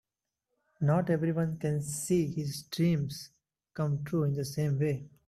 Not everyone can see his dreams come true in the same way.